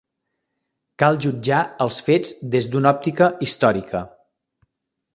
Cal jutjar els fets des d'una òptica històrica.